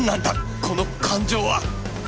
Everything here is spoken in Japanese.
この感情は